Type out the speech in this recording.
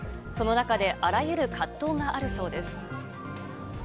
その中で、あらゆる葛藤があるそうです。